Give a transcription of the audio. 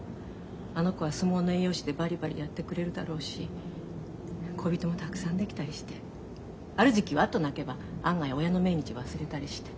あの子は相撲の栄養士でバリバリやってくれるだろうし恋人もたくさんできたりしてある時期ワッと泣けば案外親の命日忘れたりして。